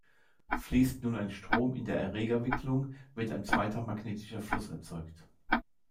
Fließt nun ein Strom in der Erregerwicklung, wird ein zweiter magnetischer Fluss erzeugt.